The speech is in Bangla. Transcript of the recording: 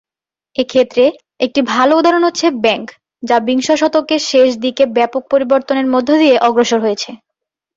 এক্ষেত্রে একটি ভালো উদাহরণ হচ্ছে ব্যাংক, যা বিংশ শতকের শেষ দিকে ব্যাপক পরিবর্তনের মধ্য দিয়ে অগ্রসর হয়েছে।